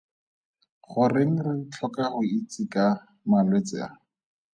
Goreng re tlhoka go itse ka malwetse a?